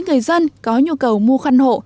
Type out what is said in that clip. người dân có nhu cầu mua khăn hộ